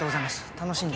楽しんで。